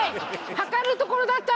計られるところだった！